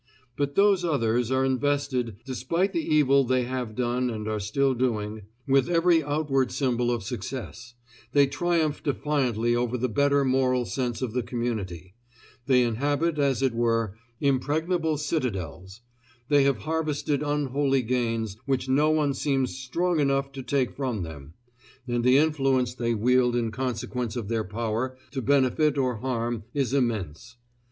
But those others are invested despite the evil they have done and are still doing with every outward symbol of success; they triumph defiantly over the better moral sense of the community; they inhabit, as it were, impregnable citadels; they have harvested unholy gains which no one seems strong enough to take from them; and the influence they wield in consequence of their power to benefit or harm is immense.